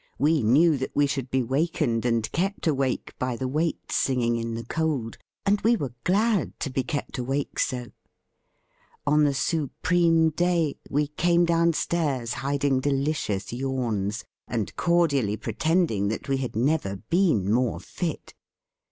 We laiew that we should be wakened and kept awake by the waits singing in the cold; and we were glad to be kept awake so. On the su preme day we came downstairs hiding delicious yawns, and cordially pretend ing that we had never been more fit.